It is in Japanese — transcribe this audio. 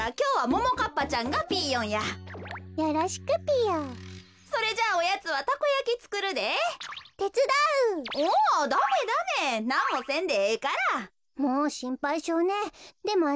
もうしんぱいしょうね。